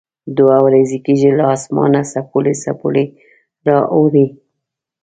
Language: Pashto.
دوه ورځې کېږي له اسمانه څپولی څپولی را اوري.